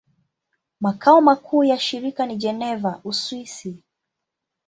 Makao makuu ya shirika ni Geneva, Uswisi.